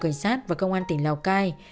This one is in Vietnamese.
cảnh sát và công an tỉnh lào cai